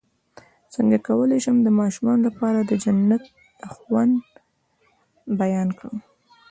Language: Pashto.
څنګه کولی شم د ماشومانو لپاره د جنت د خوند بیان کړم